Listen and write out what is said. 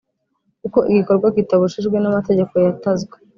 Ukora igikorwa kitabujijwe n’ amategeko yatazwe